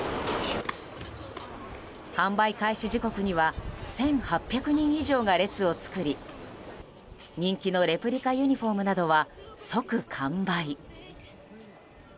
販売開始時刻には１８００人以上が列を作り人気のレプリカユニホームなどは即完売。